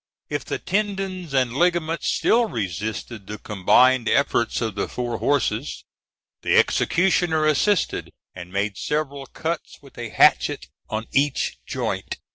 If the tendons and ligaments still resisted the combined efforts of the four horses, the executioner assisted, and made several cuts with a hatchet on each joint.